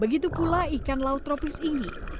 begitu pula ikan laut tropis ini